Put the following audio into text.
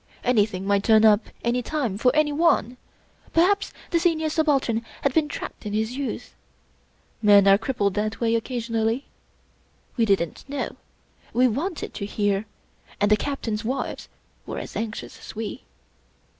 Anything might turn up any day for anyone. Perhaps the Senior Subaltern had been trapped in his youth. Men are crippled that way occasionally. We didn't know; we wanted to hear; and the Captains' wives were as anxious as we.